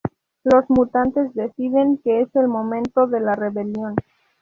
Los mutantes deciden que es el momento de la rebelión.